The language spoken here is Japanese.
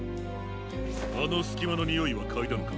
あのすきまのにおいはかいだのか？